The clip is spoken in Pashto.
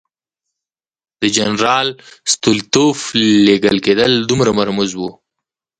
د جنرال ستولیتوف لېږل کېدل دومره مرموز وو.